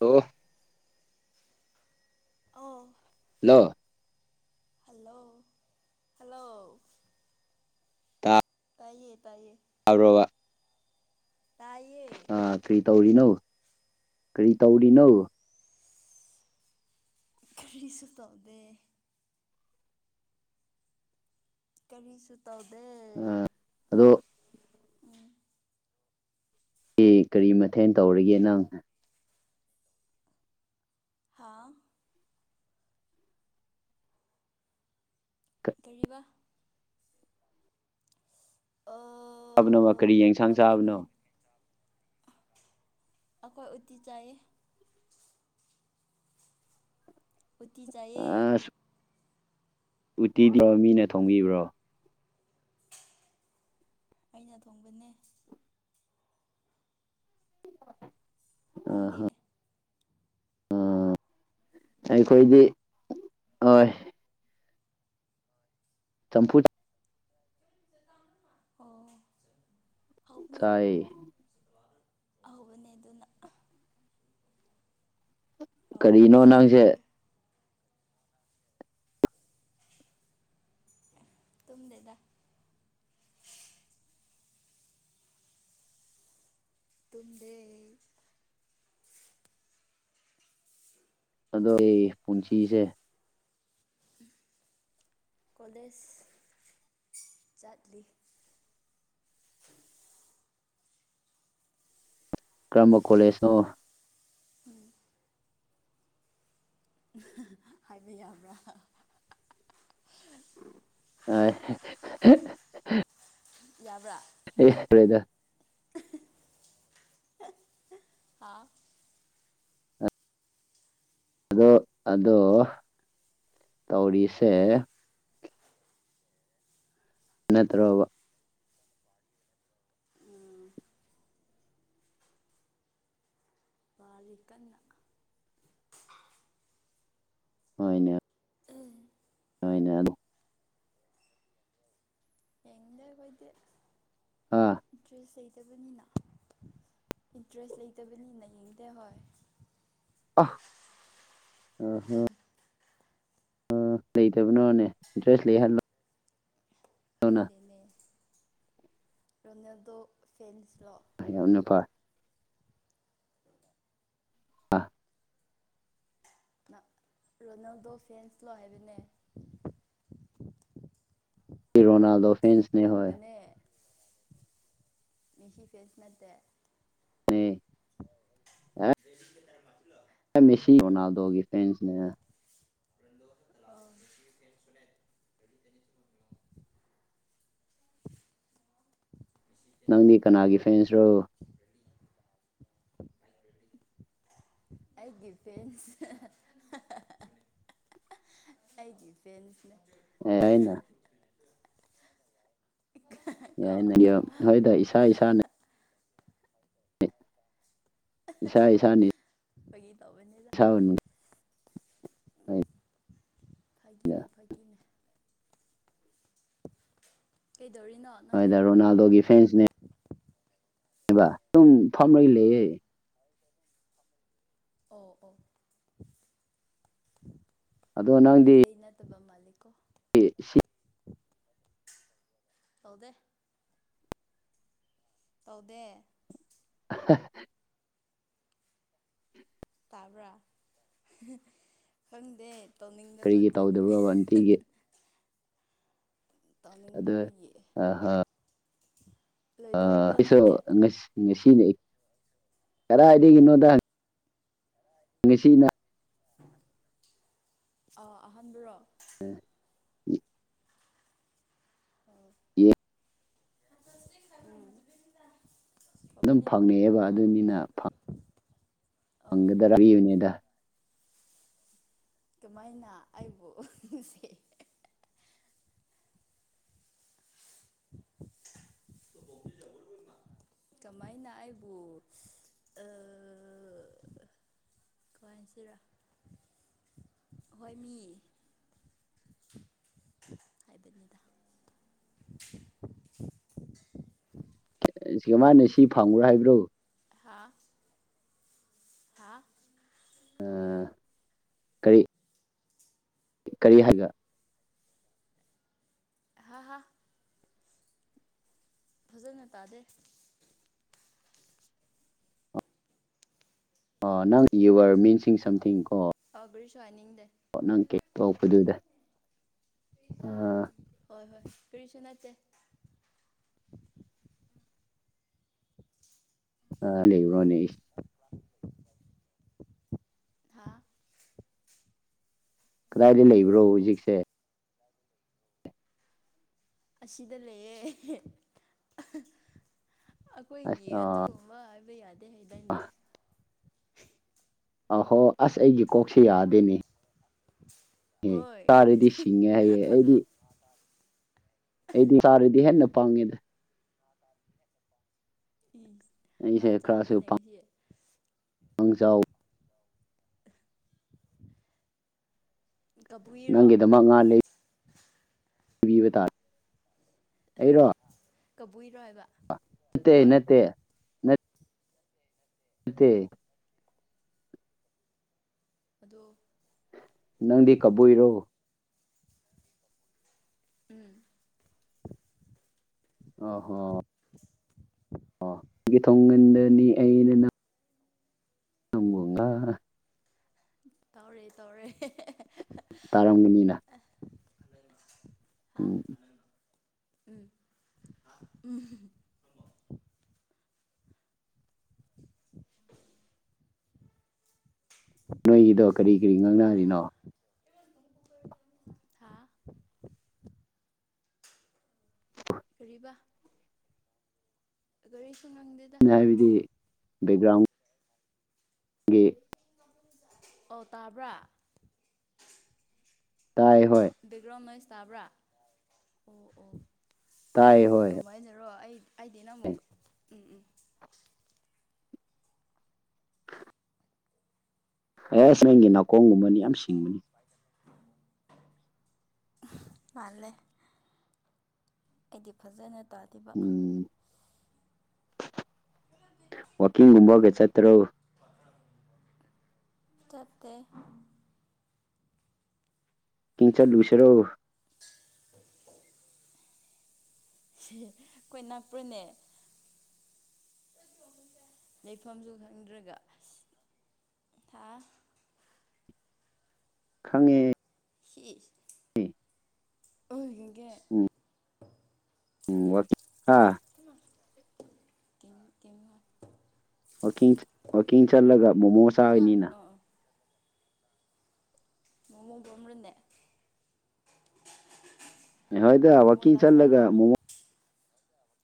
ꯑꯣ ꯑꯣ ꯍ ꯍꯂꯣ ꯍꯜꯂꯣ ꯇꯥ ꯇꯥꯏꯌꯦ ꯇꯥꯏꯌꯦ ꯐꯔꯣꯕ ꯇꯥꯏꯌꯦ ꯑꯥ ꯀꯔꯤ ꯇꯧꯔꯤꯅꯣ ꯀꯔꯤ ꯇꯧꯔꯤꯅꯣ ꯈꯔꯤꯁꯨꯇꯥꯥꯎꯗ ꯀꯔꯤꯁꯨ ꯇꯗ ꯑ ꯑꯗꯣ ꯎꯝ ꯑꯦ ꯀꯔꯤ ꯃꯊꯦꯜ ꯇꯧꯔꯒꯦ ꯅꯪ ꯍꯥꯥꯎ ꯇꯔꯤꯕ ꯆꯥꯕꯅꯣꯃ ꯑꯥ ꯀꯔꯤ ꯌꯦꯟꯁꯥꯡ ꯆꯥꯕꯅꯣ ꯑꯩꯈꯣꯏ ꯑꯩꯈꯣꯏ ꯎꯠꯇꯤ ꯆꯥꯏ ꯎꯊꯤ ꯆꯌꯦ ꯎꯠꯇꯤꯗꯕ ꯃꯤꯅ ꯊꯣꯡꯕꯤꯕ꯭ꯔꯣ ꯑꯩꯅ ꯊꯣꯡꯕꯅꯦ ꯅꯪꯗꯤ ꯎ ꯑꯩꯈꯣꯏꯗꯤ ꯍꯣꯏ ꯆꯝꯐꯨ ꯑꯣ ꯇꯥꯏꯌꯦ ꯍꯍꯧꯕꯅꯦ ꯑꯗꯨꯅ ꯑꯧ ꯀꯔꯤꯅꯣ ꯅꯪꯁꯦ ꯇꯨꯝꯗꯗ ꯇꯗꯩ ꯑꯗꯣ ꯑꯩ ꯄꯨꯟꯁꯤꯁꯦ ꯀꯣꯗꯦꯁ ꯆꯠꯂꯤ [inaudible] ꯀꯔꯝꯕ ꯀꯣꯂꯦꯖꯅꯣ ꯍꯥꯏꯕ ꯌꯥꯕ꯭ꯔꯥ ꯑ ꯌꯥꯕ꯭ꯔꯥ ꯍꯥꯥ ꯑꯗꯣ ꯑꯗꯣ ꯇꯧꯔꯤꯁꯦ ꯅꯠꯇ꯭ꯔꯣꯕ ꯎꯝ ꯂꯤ ꯀꯅ ꯍꯣꯏꯅꯦ ꯍꯣꯏꯅꯦ ꯑꯗꯨ ꯑꯥ ꯑꯦꯗꯤꯨꯁ ꯂꯩꯇꯕꯅꯤꯅ ꯏꯟꯇꯔꯦꯁ ꯂꯩꯇꯕꯅꯤꯅ ꯌꯦꯡꯗꯦ ꯍꯣꯏ ꯑ ꯎꯝ ꯎꯝ ꯑ ꯂꯩꯇꯕꯅꯣꯅꯦꯟ ꯗ꯭ꯔꯦꯁ ꯂꯩꯍꯜꯂꯣ ꯈꯪꯗꯅꯦ ꯔꯅꯗ ꯐꯦꯟꯁ ꯌꯥꯝꯅ ꯐꯥꯏ ꯑ ꯔꯣꯅꯥꯜꯗꯣ ꯐꯦꯟꯁꯂꯣ ꯍꯥꯏꯕꯅꯦ ꯀ ꯔꯣꯅꯥꯜꯗꯣ ꯐꯦꯦꯟꯁꯅꯦ ꯍꯣꯏ ꯃꯤꯁꯤ ꯐꯦꯁꯅꯗꯦ ꯎ ꯍꯥ ꯃꯁ ꯅꯥꯗꯣꯤ ꯐꯦꯟꯁꯅꯦ [unintelligible] [inaudible] ꯅꯪꯗꯤ ꯀꯅꯥꯒꯤ ꯐꯦꯟꯁ꯭ꯔꯣ ꯑꯩꯒꯤ ꯐ ꯑꯩꯒꯤ ꯐꯦꯟꯁꯅꯦ ꯍꯅ ꯀꯣ ꯌꯥꯏꯅ ꯍꯣꯏꯗ ꯏꯁꯥ ꯏꯁꯥꯅ ꯁ ꯏꯁꯥꯅꯤ ꯐꯥꯒꯤ ꯇꯧꯕꯅꯤꯗ ꯊꯥꯎꯅꯤ ꯍ ꯐꯥꯒꯤꯅꯦ ꯐꯥꯒꯤꯅꯦ ꯀꯩꯗꯧꯔꯤꯅꯣ ꯅꯪꯗꯤ ꯑꯗꯨꯣꯏꯗ ꯔꯣꯅꯥꯜꯗꯣꯒꯤ ꯐ꯭ꯔꯦꯟꯁꯅꯦ ꯕ ꯁꯨꯝ ꯐꯝꯔꯩ ꯑꯥ ꯂꯩꯌꯦꯦ ꯑꯣ ꯑꯣ ꯑꯗꯣ ꯅꯪꯗꯤ ꯃꯩꯇꯩ ꯅꯠꯇꯕ ꯃꯥꯜꯂꯦ ꯁꯤ ꯇꯗ ꯇꯧꯗꯦ [inaudible] ꯇꯥꯕ꯭ꯔꯥ ꯈꯪꯗꯦ ꯀꯔꯤꯒꯤ ꯇꯧꯅꯤꯡꯗꯕꯖꯒꯤ ꯇꯧꯗꯕ꯭ꯔꯣꯕ ꯅꯨꯡꯇꯤꯒꯤ ꯇꯥꯃꯤꯖꯕ ꯑꯗꯣ ꯌꯦ ꯑꯩꯁꯨꯁꯤ ꯉꯁꯤꯅꯤ ꯀꯗꯥꯏꯗꯒꯤꯒꯤꯅꯣꯗ ꯉꯁꯤꯅ ꯑ ꯑꯍꯥꯟꯕꯗꯨꯨꯔꯣ ꯎ ꯌꯦ ꯎꯝ ꯑꯗꯨꯝ ꯐꯪꯉꯛꯑꯦꯕ ꯑꯗꯨꯅꯤꯅ ꯑꯣ ꯐꯪꯒꯗ꯭ꯔꯥꯌꯨꯅꯦꯗ ꯑꯗꯨꯃꯥꯏꯅ ꯑꯩꯕꯨꯁ [inaudible] [unintelligible] ꯀꯃꯥꯏꯅ ꯑꯩꯕꯨ ꯀꯁꯤꯔ ꯍꯣꯏ ꯃꯤ [inaudible] ꯍꯥꯏꯕꯅꯤꯗ [unintelligible] [inaudible] ꯃꯥꯅ ꯥ ꯁꯤ ꯐꯪꯕ꯭ꯔꯣ ꯍꯥꯏꯕ꯭ꯔꯣ ꯍꯥ ꯍꯥ ꯀꯔꯤ ꯀꯔꯤ ꯍꯥꯏꯒ ꯍꯥ ꯍ ꯐꯖꯅ ꯇꯥꯗꯦ ꯅꯪ ꯌꯨ ꯑꯔ ꯃꯤꯟꯁꯤꯡ ꯁꯝꯊꯤꯡ ꯀꯣ ꯑꯕꯔꯁꯨꯅꯤꯗꯦ ꯍ ꯅꯪ ꯀꯦꯛ ꯇꯄꯗꯨꯗ ꯑꯥ ꯀꯔꯤꯁꯅꯥꯦ ꯑꯥ ꯂꯩꯕꯅꯣꯅꯦ [inaudible] [unintelligible] ꯍꯥ ꯀꯗꯥꯏꯗ ꯂꯩꯕ꯭ꯔꯣ ꯍꯧꯖꯤꯛꯁꯦ ꯑꯁꯤꯗ ꯂꯩꯌꯦꯦ ꯑꯩꯈꯣꯏꯒꯤ ꯑꯗꯨꯕ ꯍꯥꯏꯕ ꯌꯥꯗꯦ ꯑ ꯍꯥꯏꯗꯥꯏꯅꯦ ꯑ ꯍꯣ ꯑꯁ ꯑꯩꯒꯤ ꯀꯣꯛꯁꯤꯦ ꯌꯥꯗꯦꯅꯦ ꯑꯦ ꯍꯣꯏ ꯆꯥꯔꯗꯤ ꯁꯤꯡꯉꯦ ꯍꯌꯦꯡ ꯑꯩꯗꯤ ꯑꯩꯗꯤ ꯁꯥꯔꯗꯤ ꯍꯦꯟꯅ ꯄꯥꯡꯉꯦꯗ ꯉꯥ ꯑꯩꯁꯦ ꯈꯔꯁꯨ ꯆꯥꯕ꯭ꯔꯅꯦ ꯁꯤ [unintelligible] ꯀꯕꯨꯏꯔꯣ ꯅꯪꯒꯤꯗꯃꯛ ꯉꯥ [unintelligible] ꯄꯕꯤꯕ ꯇꯥꯔ ꯑꯩꯔꯣ ꯀꯕꯨꯏꯔꯣ ꯍꯥꯏꯕ ꯅꯠꯇꯦ ꯍꯣꯏ ꯅꯠꯇꯦ ꯅꯠꯇꯦ ꯑꯗꯣ ꯅꯪꯗꯤ ꯀꯕꯨꯏꯔꯣ ꯎꯝ ꯑ ꯍꯣ ꯑ ꯅꯪꯒꯤ ꯊꯣꯡꯒꯟꯗꯅꯤ ꯑꯩꯅ ꯅꯪ [unintelligible] ꯇꯧꯔꯦ ꯇꯧꯔꯦ ꯇꯥꯔꯝꯒꯅꯤꯅ ꯍꯥ ꯎꯝ ꯎꯝ ꯎꯝ ꯅꯣꯏꯒꯤꯗꯣ ꯀꯔꯤ ꯀꯔꯤ ꯉꯥꯡꯅꯔꯤꯅꯣ ꯍꯥꯥ ꯀꯔꯤꯕꯥ ꯑꯗꯨ ꯍꯥꯏꯕꯗꯤ ꯕꯦꯛꯒ꯭ꯔꯥꯎꯟ [unintelligible] ꯑꯣ ꯇꯥꯕ꯭ꯔꯥ ꯇꯥꯏ ꯍꯣꯏ ꯕꯦꯛꯒ꯭ꯔꯥꯎꯟ ꯅꯣꯏꯁ ꯇꯥꯕ꯭ꯔꯥ ꯑꯣ ꯑꯣ ꯇꯥꯏ ꯍꯣꯏ ꯀꯃꯥꯏꯅꯔꯣ ꯑꯩ ꯑꯩꯗꯤ ꯅꯝ ꯎꯝ ꯎꯝ ꯑꯦꯁ ꯅꯪꯒꯤ ꯅꯥꯀꯣꯡꯒꯨꯝꯕꯅꯤ ꯌꯥꯝ ꯁꯤꯡꯕꯅꯤ ꯃꯥꯂꯦ ꯑꯩꯗꯤ ꯐꯖꯅ ꯇꯥꯕ ꯋꯥꯀꯤꯡꯒꯨꯝꯕꯒ ꯆꯠꯇ꯭ꯔꯣ ꯆꯦ ꯍ ꯆꯠ ꯂꯁꯦꯔꯣ ꯑꯩꯈꯣꯏ ꯅꯥꯄ꯭ꯔꯅꯦ ꯂꯩꯐꯝꯁꯨ ꯈꯪꯗ꯭ꯔꯒ ꯊꯥ ꯈꯪꯉꯦ ꯍ ꯑꯣꯏ ꯎꯝ ꯎꯝ ꯑꯥ ꯑꯣ ꯋꯥꯡ ꯋꯥꯛꯀꯤꯡ ꯆꯠꯂꯒ ꯃꯣꯃꯣ ꯆꯥꯕꯅꯤꯅ ꯑꯣ [unintelligible] ꯍꯣꯏꯗ ꯃꯣꯃꯣ ꯋꯥꯋꯥꯛꯀꯤꯡ ꯆꯠꯂꯒ ꯂꯚꯔꯂꯣ ꯃꯣꯃꯣ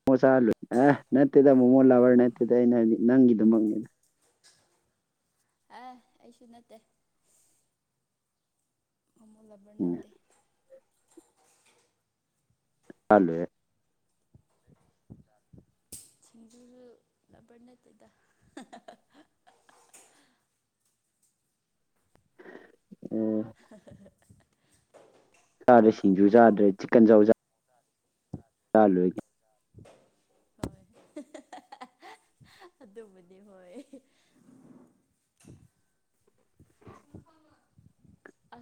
ꯃꯣꯃꯣ ꯆꯥꯍꯜꯂꯣꯏꯅꯦ ꯑꯦ ꯅꯠꯇꯦꯗ ꯃꯣꯃꯣ ꯂꯕꯔ ꯑꯣ ꯅꯠꯇꯦꯗ ꯑꯩꯅ ꯍꯥꯏꯗꯤ ꯅꯪꯒꯤꯗꯨꯃꯛꯅꯤꯗ ꯑ ꯑꯩꯁꯨ ꯅꯠꯇꯦ ꯎꯣꯃꯣ ꯂꯕꯔ ꯎꯝ ꯅꯠꯇꯦ ꯐꯂꯦ [unintelligible] ꯁꯤꯁꯤꯡꯟꯖꯔ ꯂꯕꯔꯅꯠꯇꯗ ꯎꯝ [unintelligible] ꯆꯥꯗ꯭ꯔꯦ ꯁꯤꯡꯖꯨ ꯆꯥꯗ꯭ꯔꯦ ꯆꯤꯛꯀꯟ ꯆꯥ ꯆꯂꯨ ꯍꯣꯏ ꯑꯗꯨꯕꯨꯗꯤ ꯍꯣꯏ [unintelligible]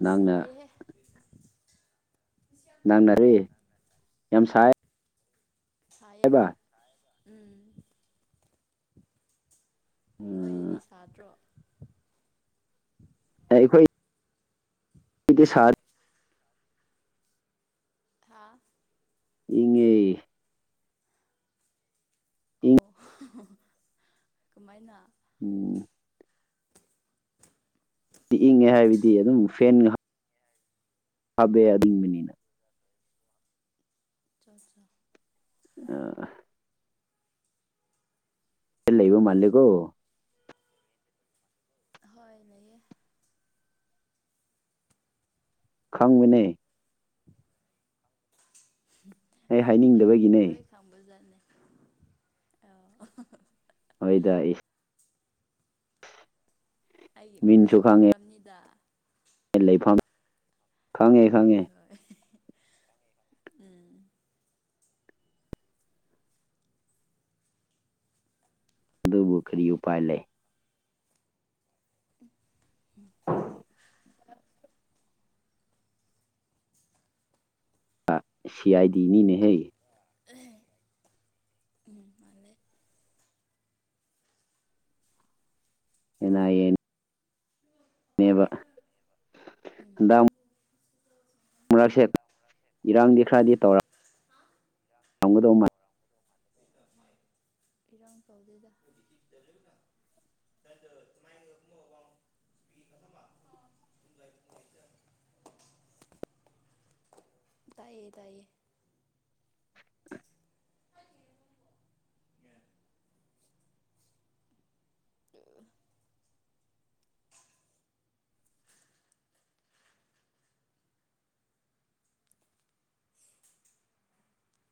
ꯅꯪꯅ ꯅꯪꯅꯔꯤꯦ ꯌꯥꯝ ꯁꯥꯏ ꯍꯥꯏꯕ ꯊꯌꯦꯦꯕ [unintelligible] ꯎꯝ ꯅꯏꯔꯤ ꯁꯥꯇ ꯑꯩꯈꯣꯏ ꯑꯗꯤ ꯁꯥꯔ ꯍꯥꯥ ꯏꯉꯩ ꯏꯪ ꯑꯣ ꯀꯃꯥꯏꯅ ꯎꯝ ꯆꯤꯛꯏꯉꯦ ꯍꯥꯏꯕꯗꯤ ꯑꯗꯨꯝ ꯐꯦꯟ ꯉꯍ ꯍꯥꯥꯕꯦ ꯑ ꯑꯗꯨꯤꯡ ꯃꯅꯤꯅ ꯑꯆꯥ ꯑꯠꯆꯥ ꯑ ꯂꯩ ꯂꯩꯕꯣ ꯃꯥꯜꯜꯂꯤꯀꯣ ꯍ ꯅꯌꯦ ꯈꯪꯃꯤꯅꯦꯩ ꯑꯩ ꯍꯥꯏꯅꯤꯡꯗꯕꯒꯤꯅꯦ ꯑ ꯍꯣꯏꯗ ꯑꯩꯒꯤ ꯃꯤꯟꯁꯨ ꯃꯤꯡꯁꯨ ꯈꯪꯉꯦ ꯈꯪ꯭ꯔꯕꯅꯤꯗ ꯂꯩꯐꯝ ꯈꯪꯉꯦ ꯍꯣꯏ ꯈꯪꯉꯦ ꯍꯣꯏ ꯎꯝ ꯑꯗꯨꯕꯨꯈꯔꯤ ꯎ ꯄꯥꯏ ꯂꯩ [inaudible] ꯁꯤ ꯑꯥꯏꯗꯤꯅꯤꯅꯦ ꯍꯦ ꯎ ꯃꯥꯂꯦ ꯎꯝ ꯕ ꯦ ꯏꯔꯥꯡꯗꯤ ꯈꯔꯗꯤ ꯇꯧꯔ ꯅꯒꯗ ꯃ [inaudible] ꯏꯔꯥꯡ ꯇꯧꯗꯦꯗ [inaudible] ꯇꯦ ꯇꯥꯏꯦ ꯑ